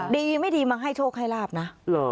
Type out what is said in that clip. ดีไม่ดีมาให้โชคให้ลาบนะ